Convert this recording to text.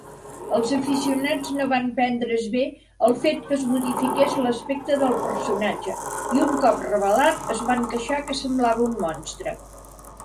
Els aficionats no van prendre's bé el fet que es modifiqués l'aspecte del personatge i, un cop revelat, es van queixar que "semblava un monstre".